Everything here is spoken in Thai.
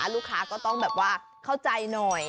ลูกค้าก็ต้องแบบว่าเข้าใจหน่อย